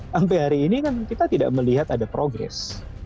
sampai hari ini kan kita tidak melihat ada progres